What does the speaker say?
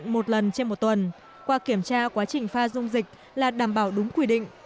một lần trên một tuần qua kiểm tra quá trình pha dung dịch là đảm bảo đúng quy định